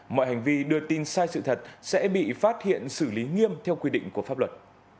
mọi hành vi đưa tin sai sự thật sẽ bị phát hiện xử lý nghiêm theo quy định của pháp luật